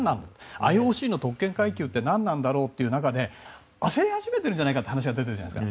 ＩＯＣの特権階級ってなんだろうという中で焦り始めているんじゃないかという話が出ているじゃないですか。